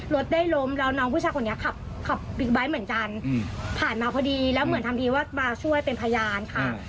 รถได้ล้มแล้วน้องผู้ชายคนนี้ขับบิ๊กไบท์เหมือนกันผ่านมาพอดีแล้วเหมือนทำทีว่าบาวช่วยเป็นพยานค่ะ